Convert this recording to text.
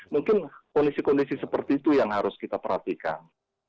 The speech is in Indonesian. mungkin kondisi kondisi seperti itu yang harus kita perhatikan